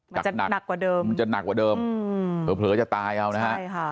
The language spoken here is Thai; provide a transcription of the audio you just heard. มันจะหนักกว่าเดิมมันจะหนักกว่าเดิมอืมเผลอจะตายเอานะฮะใช่ค่ะ